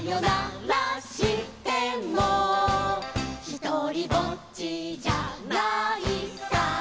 「ひとりぼっちじゃないさ」